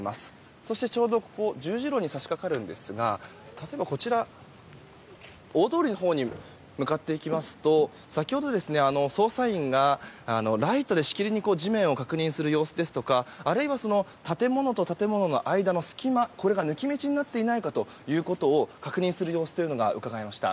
そして、ちょうどここ十字路に差し掛かるんですが例えばこちら、大通りのほうに向かっていきますと先ほど、捜査員がライトでしきりに地面を確認する様子ですとかあるいは建物と建物の間の隙間これが抜け道になっていないかということを確認する様子がうかがえました。